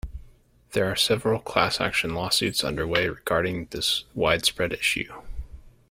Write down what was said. There are several class-action lawsuits underway regarding this widespread issue.